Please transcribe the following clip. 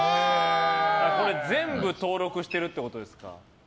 これ全部登録してるってことですか。